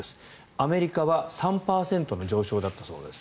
アメリカは３％の上昇だったそうです。